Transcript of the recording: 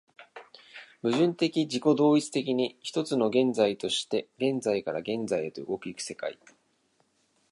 矛盾的自己同一的に、一つの現在として現在から現在へと動き行く世界